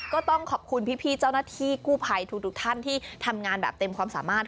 ก็ต้องขอบคุณพี่เจ้าหน้าที่กู้ภัยทุกท่านที่ทำงานแบบเต็มความสามารถ